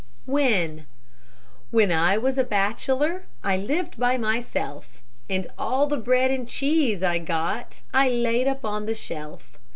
WHEN When I was a bachelor I lived by myself; And all the bread and cheese I got I laid up on the shelf.